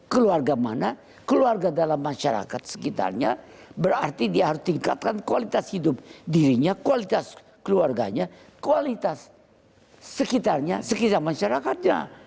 keluarga mana keluarga dalam masyarakat sekitarnya berarti dia harus tingkatkan kualitas hidup dirinya kualitas keluarganya kualitas sekitarnya sekitar masyarakatnya